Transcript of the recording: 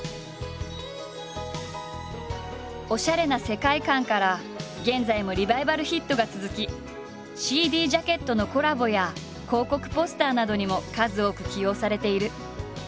おしゃれな世界観から現在もリバイバルヒットが続きＣＤジャケットのコラボや広告ポスターなどにも数多く起用されている。